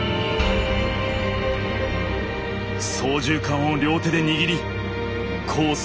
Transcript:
操縦かんを両手で握りコース